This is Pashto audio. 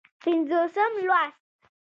پينځوسم لوست